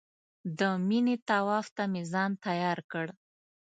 د مینې طواف ته مې ځان تیار کړ.